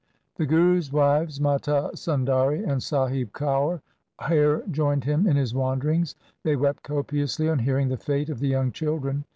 The Guru's wives Mata Sundari and Sahib Kaur here joined him in his wanderings. They wept copiously on hearing the fate of the young children.